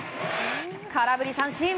空振り三振！